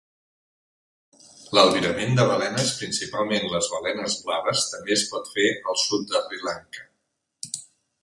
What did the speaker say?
L"albirament de balenes, principalment les balenes blaves, també es pot fer al sud d"Sri-Lanka.